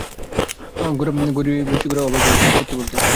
ঘুষি ছোড়ায় খুব অবাক-ই হয়েছিলাম, সত্যি বলতে।